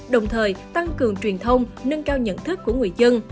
đồng thời tăng cường truyền thông nâng cao nhận thức của người dân